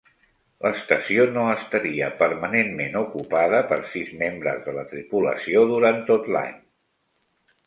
L'estació no estaria permanentment ocupada per sis membres de la tripulació durant tot l'any.